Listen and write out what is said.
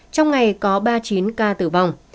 trong ngày có ba mươi chín ca tử vong